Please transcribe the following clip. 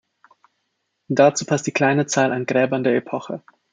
Dazu passt die kleine Zahl an Gräbern der Epoche.